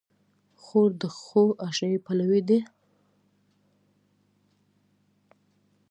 خور د ښو اشنايي پلوي ده.